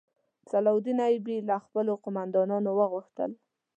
صلاح الدین ایوبي له خپلو قوماندانانو وغوښتل.